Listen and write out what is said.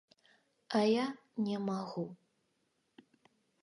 А я не магу.